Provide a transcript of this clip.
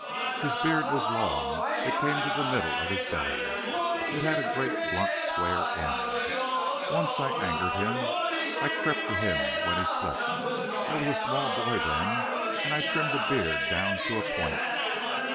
"His beard was long; it came to the middle of his belly; it had a great blunt square end. Once I angered him. I crept to him when he slept I was a small boy then and I trimmed the beard down to a point.